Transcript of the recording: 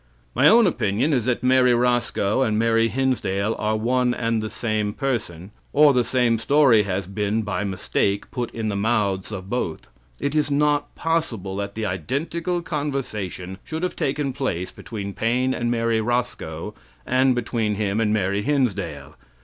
My own opinion is that Mary Roscoe and Mary Hinsdale are one and the same person, or the same story has been, by mistake, put in the mouths of both. It is not possible that the identical conversation should have taken place between Paine and Mary Roscoe and between him and Mary Hinsdale.